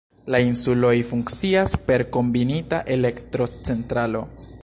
La insuloj funkcias per kombinita elektrocentralo.